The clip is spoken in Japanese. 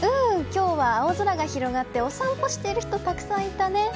今日は青空が広がってお散歩している人がたくさんいたね。